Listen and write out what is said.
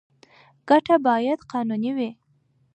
ګټه باید قانوني وي.